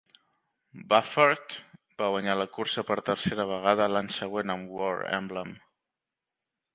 Baffert va guanyar la cursa per tercera vegada l'any següent amb War Emblem.